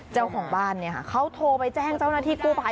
เจ้าของบ้านเนี่ยค่ะเขาโทรไปแจ้งเจ้าหน้าที่กู้ภัย